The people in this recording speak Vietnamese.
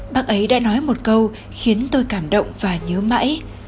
bác ấy đã nói một câu khiến tôi cảm động và nhớ mãi